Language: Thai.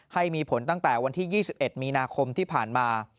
ให้มีผลตั้งแต่วันที่๒๑มีนาคมที่ผ่านมา